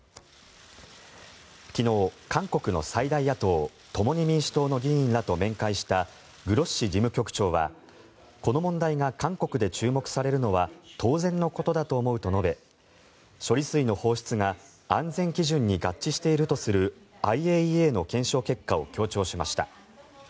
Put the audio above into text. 昨日、韓国の最大野党共に民主党の議員らと面会したグロッシ事務局長はこの問題が韓国で注目されるのは当然のことだと思うと述べ処理水の放出が安全基準に合致しているとするＩＡＥＡの検証結果を強調しました。